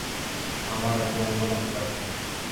আমার একটা অ্যাম্বুলেন্স লাগবে!